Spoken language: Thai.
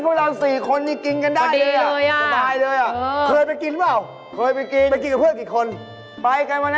พวกเราสี่คนก็กินกันได้เลย๊ะ